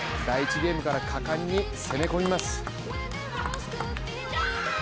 ゲームから果敢に攻め込みます。